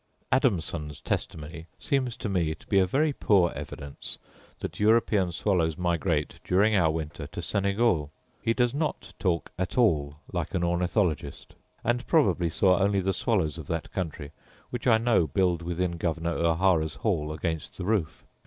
Adamson's testimony seems to me to be a very poor evidence that European swallows migrate during our winter to Senegal: he does not talk at all like an ornithologist; and probably saw only the swallows of that country, which I know build within Governor O'Hara's hall against the roof.